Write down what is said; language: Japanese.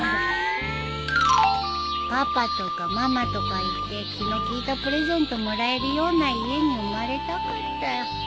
パパとかママとか言って気の利いたプレゼントもらえるような家に生まれたかったよ。